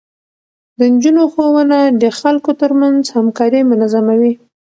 د نجونو ښوونه د خلکو ترمنځ همکاري منظموي.